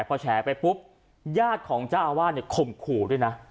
พอแฉไปปุ๊บญาติของเจ้าอาวาสเนี่ยข่มขู่ด้วยนะ